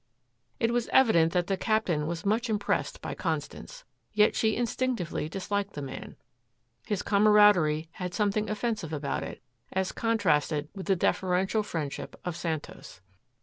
It was evident that the Captain was much impressed by Constance. Yet she instinctively disliked the man. His cameraderie had something offensive about it, as contrasted with the deferential friendship of Santos.